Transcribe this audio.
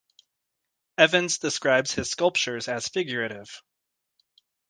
Evans describes his sculptures as figurative.